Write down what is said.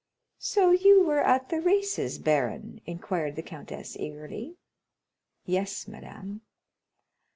"So you were at the races, baron?" inquired the countess eagerly. "Yes, madame."